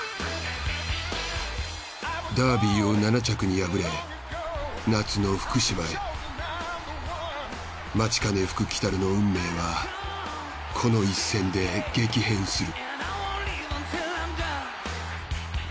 ダービーを７着に敗れ夏の福島へマチカネフクキタルの運命はこの１戦で激変する。